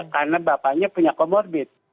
karena bapaknya punya komorbid